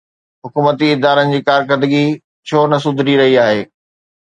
حڪومتي ادارن جي ڪارڪردگي ڇو نه سڌري رهي آهي؟